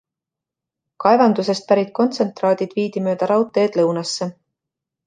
Kaevandusest pärit kontsentraadid viidi mööda raudteed lõunasse.